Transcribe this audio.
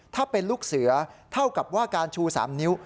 ถ้าเป็นลูกเสือเท่ากับว่าการชู๓นิ้ว